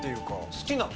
好きなの？